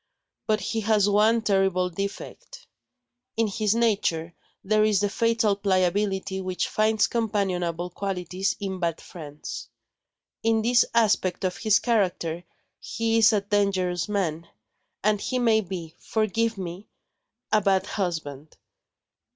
But he has one terrible defect. In his nature, there is the fatal pliability which finds companionable qualities in bad friends. In this aspect of his character, he is a dangerous man and he may be (forgive me!) a bad husband.